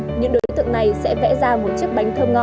trước tiên những đối tượng này sẽ vẽ ra một chiếc bánh thơm nhỏ